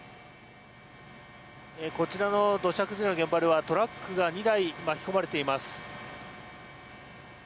こちらの土砂崩れの現場ではトラックが２台巻き込まれています。